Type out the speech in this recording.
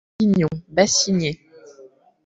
Route de Bourguignon, Bassigney